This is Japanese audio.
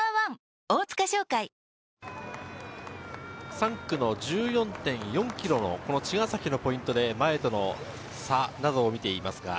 ３区の１４．４ｋｍの茅ヶ崎のポイントで前との差などを見ています。